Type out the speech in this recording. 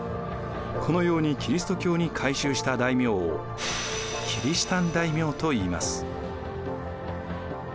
このようにキリスト教に改宗した大名をキリシタン大名といいます。